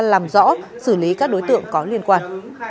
làm rõ xử lý các đối tượng có liên quan